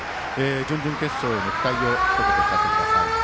準々決勝への期待をひと言お聞かせください。